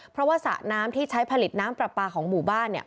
เพราะว่าสระน้ำที่ใช้ผลิตน้ำปลาปลาของหมู่บ้านเนี่ย